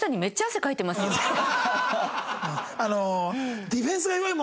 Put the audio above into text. あの。